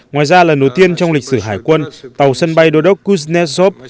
ngoài ra lần đầu tiên trong lịch sử hải quân tàu sân bay đối đốc kuznetsov